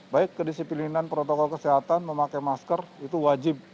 baik kedisiplinan protokol kesehatan memakai masker itu wajib